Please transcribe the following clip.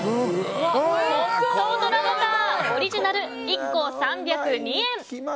ホットドラバターオリジナル１個、３０２円！